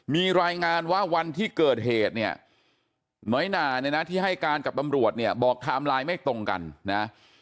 มีรายงานว่าวันที่เกิดเหตุเนี่ยน้อยหนาเนี่ยนะที่ให้การกับตำรวจเนี่ยบอกไทม์ไลน์ไม่ตรงกันนะ